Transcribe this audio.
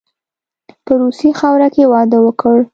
په روسي خاوره کې واده وکړ.